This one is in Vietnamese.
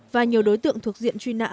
và nhiều đối tượng thuộc diện truy nã